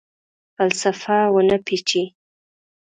فلسفه ونه پیچي